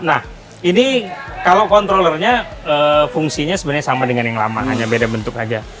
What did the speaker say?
nah ini kalau controllernya fungsinya sebenarnya sama dengan yang lama hanya beda bentuk aja